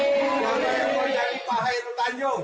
siapa yang mau jadi pak khairul tanjung